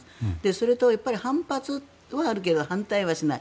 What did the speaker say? それと反発はあるけど反対はしない。